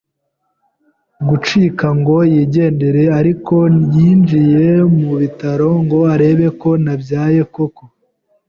gucika ngo yigendere ariko yinjiye mu bitaro ngo arebe ko nabyaye koko